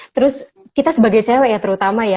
terus kita sebagai cewek ya terutama ya